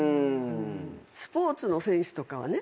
スポーツの選手とかはね